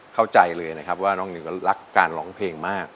เข้าใจเลยนะครับว่าน้องนิวก็รักการร้องเพลงมาก